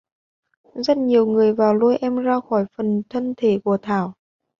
Rất nhiều người vào lôi em ra khỏi phần thân thể của thảo